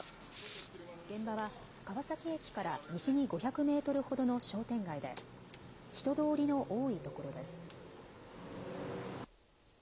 現場は川崎駅から西に５００メートルほどの商店街で人通りの多いところです。